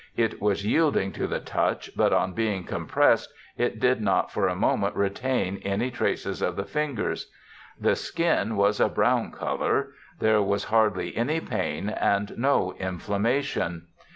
It was yielding to the touch, but on being compressed it did not for a moment retain any traces of the fingers. The skin was a brown (?) colour. There was hardly any pain, and no inflammation.